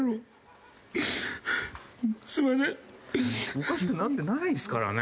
おかしくなってないですからね